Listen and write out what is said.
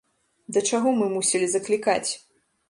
Да чаго мы мусілі заклікаць?